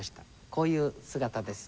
こういう姿です。